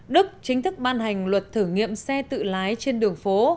đức chính thức ban hành luật thử nghiệm xe tự lái trên đường phố